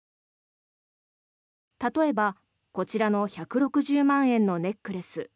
例えば、こちらの１６０万円のネックレス。